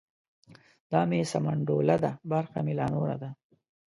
دا مې سمنډوله ده برخه مې لا نوره ده.